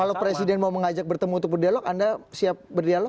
kalau presiden mau mengajak bertemu untuk berdialog anda siap berdialog